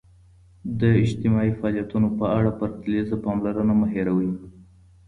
د اجتماعي فعالیتونو په اړه پرتلیزه پاملرنه مه هېروئ.